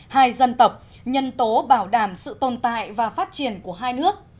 hai dân tộc nhân tố bảo đảm sự tồn tại và phát triển của hai nước